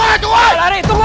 jangan lari tunggu